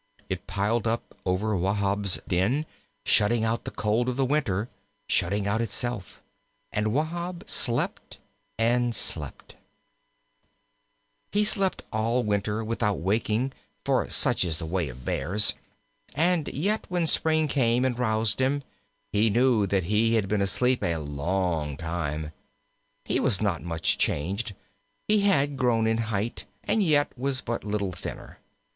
It piled up over Wahb's den, shutting out the cold of the winter, shutting out itself: and Wahb slept and slept. V He slept all winter without waking, for such is the way of Bears, and yet when spring came and aroused him, he knew that he had been asleep a long time. He was not much changed he had grown in height, and yet was but little thinner.